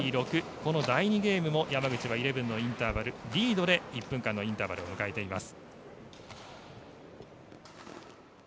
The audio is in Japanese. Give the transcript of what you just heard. この第２ゲームも山口は１１のインターバルリードで１分間のインターバルを迎えています。